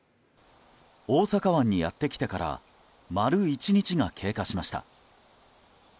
大阪湾にやってきてから丸１日が経過しました。